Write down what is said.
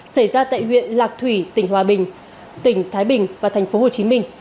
xảy ra tại huyện lạc thủy tp hòa bình tp thái bình và tp hồ chí minh